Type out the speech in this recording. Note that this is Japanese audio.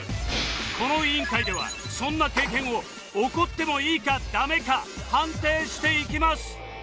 この委員会ではそんな経験を怒ってもいいかダメか判定していきます